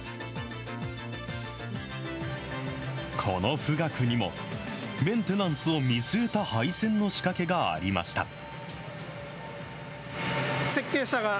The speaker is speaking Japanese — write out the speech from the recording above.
この富岳にも、メンテナンスを見据えた配線の仕掛けがありました。